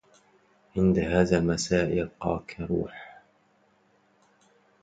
عند هذا المساء يلقاك روح